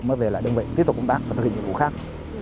mới về lại đơn vị tiếp tục công tác và thực hiện nhiệm vụ khác